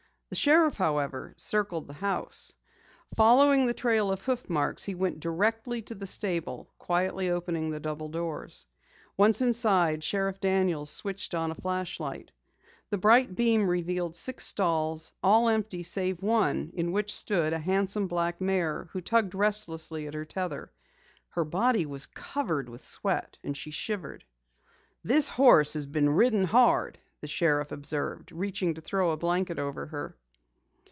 The sheriff, however, circled the house. Following the trail of hoof marks he went directly to the stable, quietly opening the double doors. Once inside, Sheriff Daniels switched on a flashlight. The bright beam revealed six stalls, all empty save one, in which stood a handsome black mare who tugged restlessly at her tether. Her body was covered with sweat, and she shivered. "This horse has been ridden hard," the sheriff observed, reaching to throw a blanket over her.